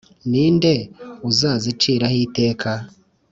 Ni nde uzaziciraho iteka?